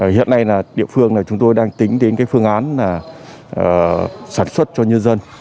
hiện nay địa phương chúng tôi đang tính đến phương án sản xuất cho nhân dân